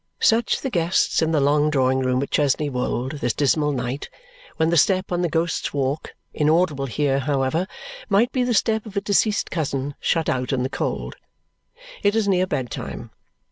Such the guests in the long drawing room at Chesney Wold this dismal night when the step on the Ghost's Walk (inaudible here, however) might be the step of a deceased cousin shut out in the cold. It is near bed time.